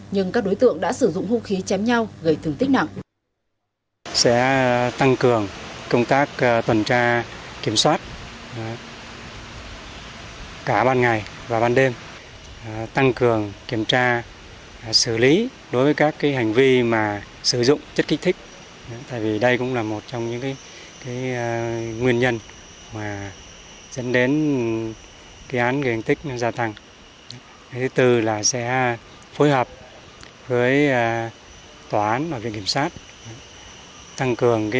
nhưng các đối tượng đã sử dụng hô khí chém nhau gây thương tích nặng